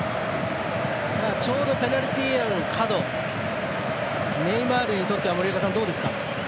ちょうどペナルティーエリアの角ネイマールにとっては森岡さん、どうですか？